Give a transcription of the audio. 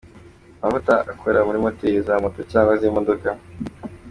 Amavuta akora muri moteri za moto cyangwa z’imodoka.